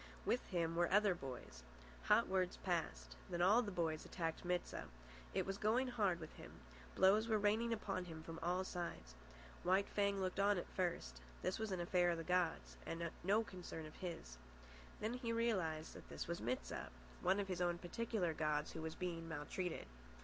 With him were other boys. Hot words passed. Then all the boys attacked Mit sah. It was going hard with him. Blows were raining upon him from all sides. White Fang looked on at first. This was an affair of the gods, and no concern of his. Then he realised that this was Mit sah, one of his own particular gods, who was being maltreated.